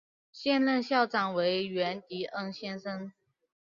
现任校长为源迪恩先生。